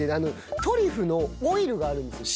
トリュフのオイルがあるんですよ。